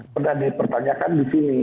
pernah dipertanyakan di sini